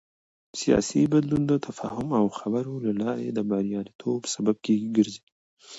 سیاسي بدلون د تفاهم او خبرو له لارې د بریالیتوب سبب ګرځي